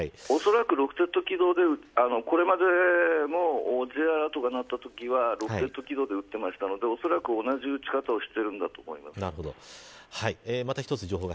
おそらくロフテッド機動で、これまでもＪアラートが鳴ったときやロフテッド軌道で撃っていたのでおそらく同じ撃ち方をしていると思います。